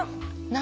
何？